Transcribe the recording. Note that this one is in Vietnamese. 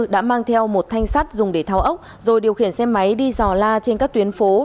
đã mang theo một thanh sắt dùng để tháo ốc rồi điều khiển xe máy đi dò la trên các tuyến phố